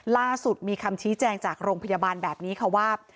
ล่าสุดมีคำชี้แจงจากโรงพยาบาลแบบนี้ค่ะว่า